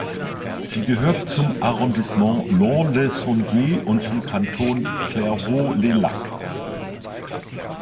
Sie gehört zum Arrondissement Lons-le-Saunier und zum Kanton Clairvaux-les-Lacs.